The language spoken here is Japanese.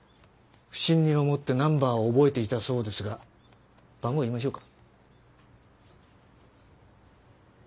不審に思ってナンバーを覚えていたそうですが番号言いましょうか？